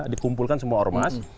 dikumpulkan semua ormas